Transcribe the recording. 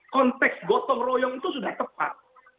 konteks gotong royong itu sudah tepat